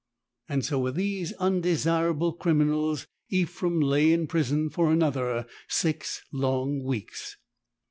So with these undesirable criminals Ephrem lay in prison for another six long weeks.